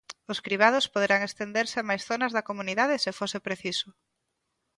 Os cribados poderán estenderse a máis zonas da comunidade se fose preciso.